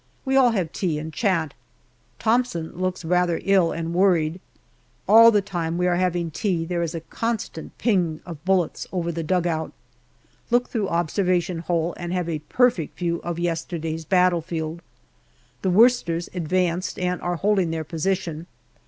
We all have tea, and chat. Thompson looks rather ill and worried. All the time we are having tea there is a constant " ping" of bullets over the dugout. Look through observation hole and have a perfect view of yesterday's battlefield. The Worcesters advanced and are holding their position.